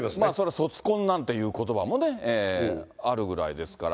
卒婚なんていうことばもね、あるぐらいですから。